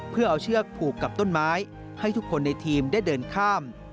เพื่อเอาเชือกผูกกับต้นไม้ให้ทุกคนในทีมได้เดินข้าม